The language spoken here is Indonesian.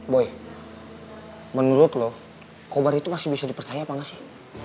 boy menurut lo kobar itu masih bisa dipercaya apa nggak sih